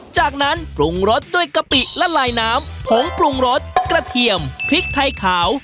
จากนั้นปรุงรสด้วยกะปิและลายน้ำผงปรุงรสกระเทียมพริกไทยขาว